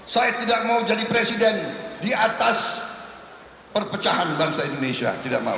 saya tidak mau jadi presiden di atas perpecahan bangsa indonesia tidak mau